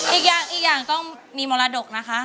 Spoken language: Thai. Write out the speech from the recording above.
อีกอย่างต้องมีมรดกนะคะ